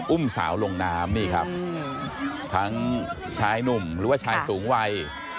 อุ้มสาวลงน้ำนี่ครับทั้งชายหนุ่มหรือว่าชายสูงวัย